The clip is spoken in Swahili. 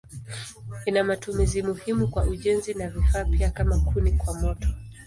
Ina matumizi muhimu kwa ujenzi na vifaa pia kama kuni kwa moto.